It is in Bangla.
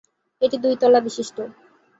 এটি দুই তলা বিশিষ্ট্য।